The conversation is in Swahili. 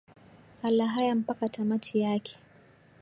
ala haya mpaka tamati yake